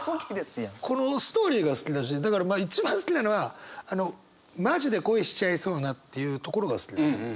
このストーリーが好きだしだからまあ一番好きなのはあの「ＭａｊｉでＫｏｉしちゃいそうな」っていうところが好きなんだよね。